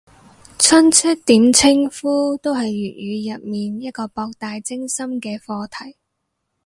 親戚點稱呼都係粵語入面一個博大精深嘅課題